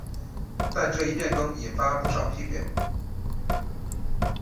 但这一变更引发不少批评。